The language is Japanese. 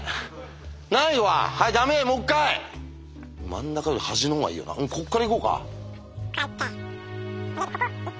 真ん中より端の方がいいよなこっから行こうか。